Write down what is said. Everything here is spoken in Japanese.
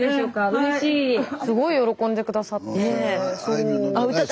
すごい喜んで下さって。